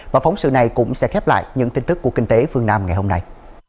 và phóng sự này cũng sẽ khép lại những tin tức của kinh tế phương nam ngày hôm nay